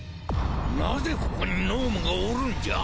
なぜここに脳無がおるんじゃ！？